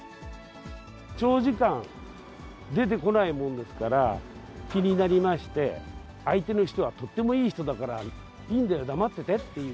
長時間、出てこないもんですから気になりまして、相手の人がとってもいい人だから、いいんだよ、黙って手っていう。